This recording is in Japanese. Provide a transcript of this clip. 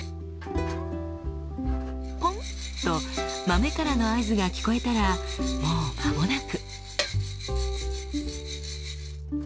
「ポン！」と豆からの合図が聞こえたらもうまもなく。